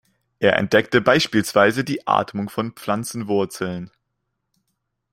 Er entdeckte beispielsweise die Atmung von Pflanzenwurzeln.